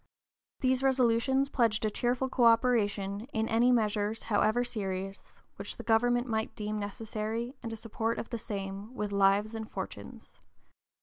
These resolutions pledged a cheerful coöperation "in any measures, however serious," which the government might deem necessary and a support of the same with "lives and fortunes."